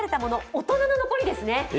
大人の残りですね。